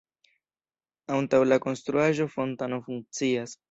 Antaŭ la konstruaĵo fontano funkcias.